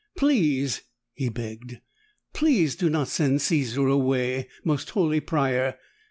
"Please!" he begged. "Please do not send Caesar away, Most Holy Prior!